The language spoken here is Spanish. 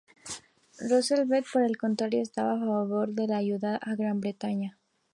Roosevelt, por el contrario, estaba a favor de la ayuda a Gran Bretaña.